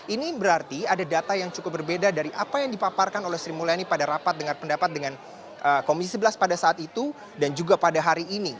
ini berarti ada data yang cukup berbeda dari apa yang dipaparkan oleh sri mulyani pada rapat dengan pendapat dengan komisi sebelas pada saat itu dan juga pada hari ini